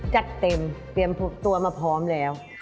จัดเต็มเตรียมทุกตัวมาพร้อมแล้ว